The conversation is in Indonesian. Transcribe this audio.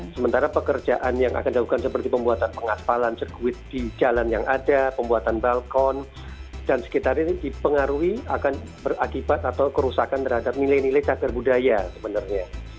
sementara pekerjaan yang akan dilakukan seperti pembuatan pengaspalan sirkuit di jalan yang ada pembuatan balkon dan sekitarnya dipengaruhi akan berakibat atau kerusakan terhadap nilai nilai cagar budaya sebenarnya